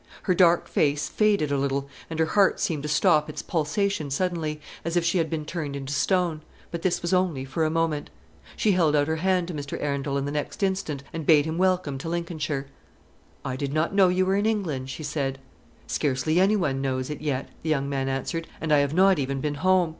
Her dark face faded a little, and her heart seemed to stop its pulsation suddenly, as if she had been turned into stone; but this was only for a moment. She held out her hand to Mr. Arundel in the next instant, and bade him welcome to Lincolnshire. "I did not know you were in England," she said. "Scarcely any one knows it yet," the young man answered; "and I have not even been home.